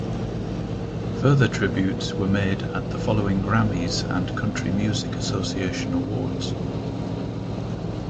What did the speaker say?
Further tributes were made at the following Grammys and Country Music Association Awards.